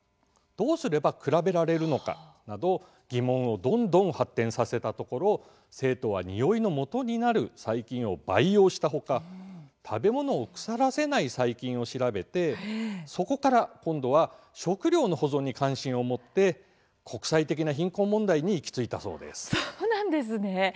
「どうすれば比べられるのか？」など、疑問をどんどん発展させたところ生徒は、においのもとになる細菌を培養したほか食べ物を腐らせない細菌を調べてそこから今度は食糧の保存に関心を持って国際的な貧困問題に行き着いたそうです。